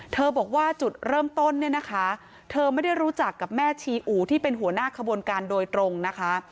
บอกว่าจุดเริ่มต้นเนี่ยนะคะเธอไม่ได้รู้จักกับแม่ชีอู่ที่เป็นหัวหน้าขบวนการโดยตรงนะคะ